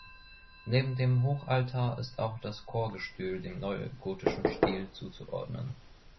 Neben dem Hochaltar ist auch das Chorgestühl dem neugotischen Stil zuzuordnen.